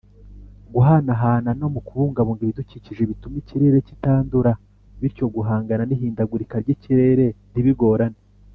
guhanahana no mu kubungabunga ibidukikije bituma ikirere kitandura bityo guhangana nihindagurika ryikirere ntibigorane.